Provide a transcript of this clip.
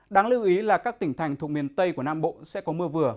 đáng lưu ý là các tỉnh thành thuộc miền tây của nam bộ sẽ có mưa vừa